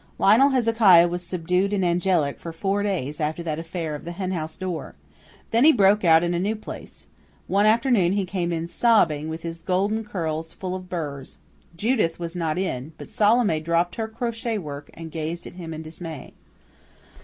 Lionel Hezekiah was subdued and angelic for four days after that affair of the henhouse door. Then he broke out in a new place. One afternoon he came in sobbing, with his golden curls full of burrs. Judith was not in, but Salome dropped her crochet work and gazed at him in dismay.